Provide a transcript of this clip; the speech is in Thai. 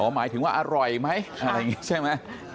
หมายถึงว่าอร่อยไหมอะไรอย่างนี้ใช่ไหม